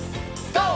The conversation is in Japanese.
ＧＯ！